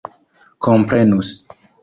komprenus